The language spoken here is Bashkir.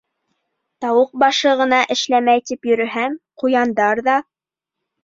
— Тауыҡ башы ғына эшләмәй тип йөрөһәм, ҡуяндар ҙа...